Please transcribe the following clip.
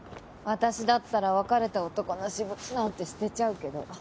私だったら別れた男の私物なんて捨てちゃうけど。